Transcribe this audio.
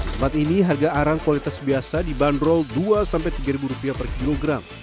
tempat ini harga arang kualitas biasa dibanderol rp dua tiga per kilogram